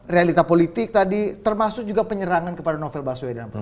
realita politik tadi termasuk juga penyerangan kepada novel baswedan